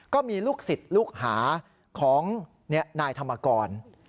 ก็มีลูกศิษย์ลูกหาของนายธรรมกร